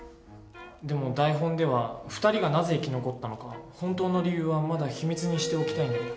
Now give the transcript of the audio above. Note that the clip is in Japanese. でも台本では２人がなぜ生き残ったのか本当の理由はまだ秘密にしておきたいんだ。